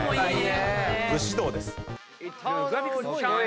武士道です。